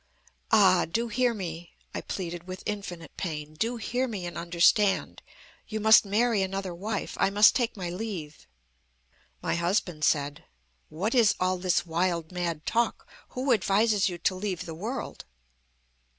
"'Ah! do hear me!' I pleaded with infinite pain. 'Do hear me and understand! You must marry another wife. I must take my leave.' "My husband said: 'What is all this wild, mad talk? Who advises you to leave the world?'